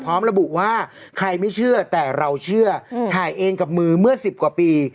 พร้อมระบุว่าใครไม่เชื่อแต่เราเชื่อถ่ายเองกับมือเมื่อ๑๐กว่าปี